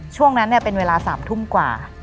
ช่วงนั้นเป็นเวลา๓ทุ่มกว่า